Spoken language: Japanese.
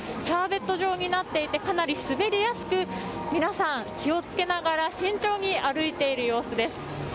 シャーベット状になっていてかなり滑りやすく皆さん、気を付けながら慎重に歩いている様子です。